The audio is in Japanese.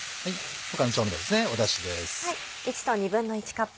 他の調味料ですねだしです。